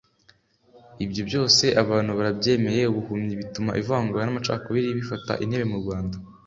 ibyo byose abantu barabyemeye buhumyi bituma ivangura n’amacakubira bifata intebe mu Rwanda